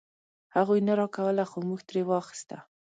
هغوی نه راکوله خو مونږ ترې واخيسته.